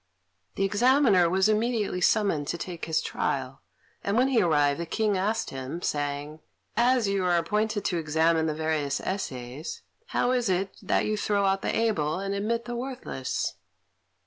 The Examiner was immediately summoned to take his trial, and when he arrived the King asked him, saying, "As you are appointed to examine the various essays, how is it that you throw out the able and admit the worthless?"